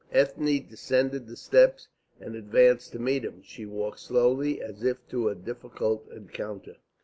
Ethne descended the steps and advanced to meet him. She walked slowly, as if to a difficult encounter.